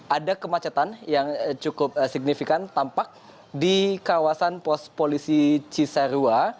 ada kemacetan yang cukup signifikan tampak di kawasan pos polisi cisarua